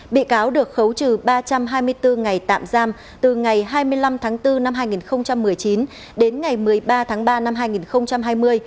bị cáo được khấu trừ ba trăm hai mươi bốn ngày tạm giam từ ngày hai mươi năm tháng bốn năm hai nghìn một mươi chín đến ngày một mươi ba tháng ba năm hai nghìn hai mươi